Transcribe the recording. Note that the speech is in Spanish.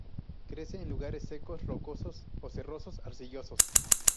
Crece en lugares secos rocosos o cerros arcillosos.